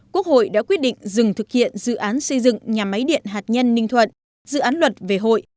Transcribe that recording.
quốc hội đã quyết định dừng thực hiện dự án xây dựng nhà máy điện hạt nhân ninh thuận dự án luật về hội